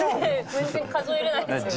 全然数えられないですよね。